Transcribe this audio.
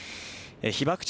被爆地・